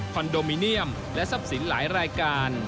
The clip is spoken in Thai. นโดมิเนียมและทรัพย์สินหลายรายการ